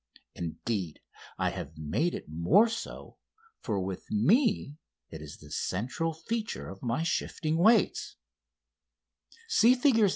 Indeed, I have made it more so, for with me it is the central feature of my shifting weights (Figs.